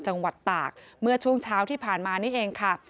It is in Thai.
จังหวัดตากเมื่อช่วงเช้าที่ผ่านมานี่เองค่ะ